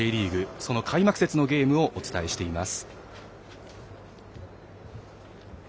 その開幕節のゲームをお伝えしています。